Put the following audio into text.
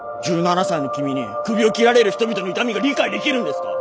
１７才の君にクビを切られる人々の痛みが理解できるんですか。